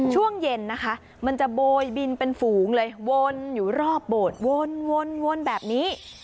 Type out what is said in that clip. ช่วงเย็นนะคะมันจะโบยบินเป็นฝูงเลยวนอยู่รอบโบสถ์วนแบบนี้